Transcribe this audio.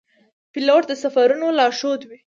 پیلوټ د سفرونو لارښوونکی وي.